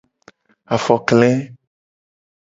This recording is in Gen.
Afokle.